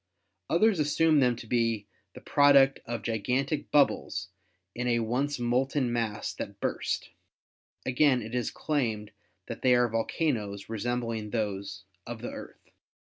Others assume them to be THE MOON 179 the product of gigantic bubbles in a once molten mass that burst. Again it is claimed that they are volcanoes resem bling those of the Earth.